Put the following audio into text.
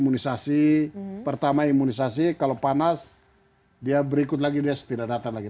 karena saat ini tidak ada imunisasi pertama imunisasi kalau panas dia berikut lagi setidak datang lagi